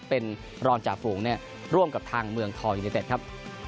เป็นรอนจ่าฟูงนะร่วมกับทางเมืองคอยุเณตครับ